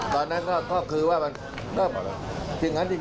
ตอนนั้นก็คือว่าคิดอย่างนั้นจริง